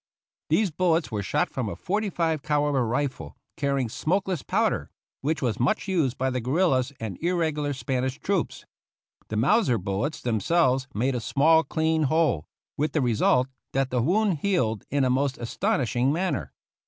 These bullets were shot from a .45 calibre rifle carrying smokeless powder, which was much used by the guerillas and irregular Spanish troops. The Mau ser bullets themselves made a small clean hole, with the result that the wound healed in a most astonishing manner.